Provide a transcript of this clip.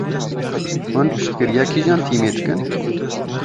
Hûn piştgiriya kîjan tîmê dikin?